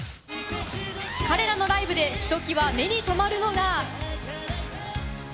彼らのライブでひときわ目に留まるのが。